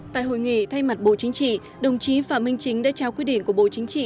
tại hội nghị thay mặt bộ chính trị đồng chí phạm minh chính đã trao quyết định của bộ chính trị